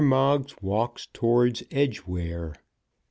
MOGGS WALKS TOWARDS EDGEWARE.